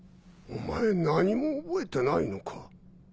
お前何も覚えてないのか。